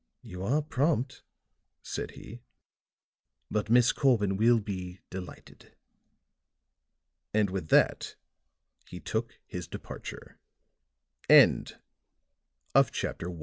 "You are prompt," said he. "But Miss Corbin will be delighted." And with that he took his departure CHAPTER II ASHTON KIRK